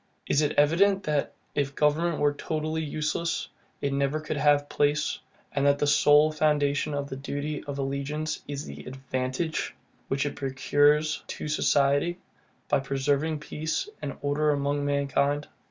It is evident, that, if government were totally useless, it never could have place, and that the sole foundation of the duty of allegiance is the ADVANTAGE, which it procures to society, by preserving peace and order among mankind.